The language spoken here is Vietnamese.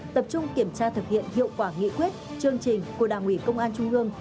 tập trung kiểm tra thực hiện hiệu quả nghị quyết chương trình của đảng ủy công an trung ương